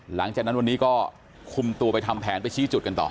หลังจากนั้นวันนี้ก็คุมตัวไปทำแผนไปชี้จุดกันต่อ